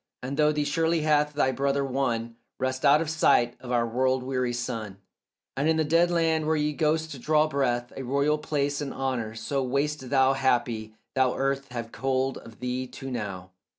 And through thee surely hath thy brother won Rest, out of sight of our world weary sun, And in the dead land where ye ghosts draw breath A royal place and honour; so wast thou Happy, though earth have hold of thee too now.